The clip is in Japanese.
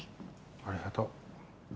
ありがとう。